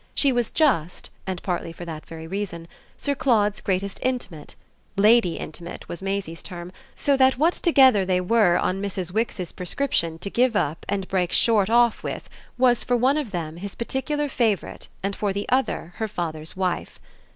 She was just and partly for that very reason Sir Claude's greatest intimate ("lady intimate" was Maisie's term) so that what together they were on Mrs. Wix's prescription to give up and break short off with was for one of them his particular favourite and for the other her father's wife.